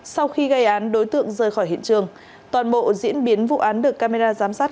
sau khi gây án đối tượng rời khỏi hiện trường toàn bộ diễn biến vụ án được camera giám sát